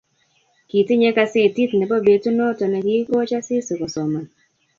Kitinye gasetit nebo betunoto ne kiikoch Asisi kosoman